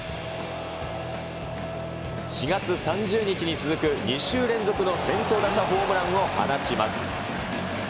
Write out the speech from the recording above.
４月３０日に続く２週連続の先頭打者ホームランを放ちます。